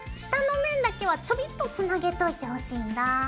下の面だけはちょびっとつなげといてほしいんだ。